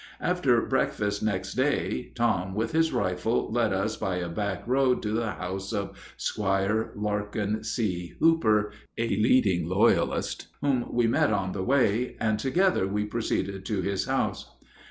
After breakfast next day, Tom, with his rifle, led us by a back road to the house of "'Squire Larkin C. Hooper," a leading loyalist, whom we met on the way, and together we proceeded to his house.